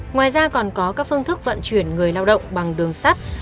ngoài ra còn có các phương thức vận chuyển người lao động